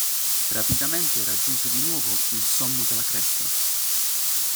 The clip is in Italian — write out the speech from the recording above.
Rapidamente raggiunse di nuovo il sommo della cresta.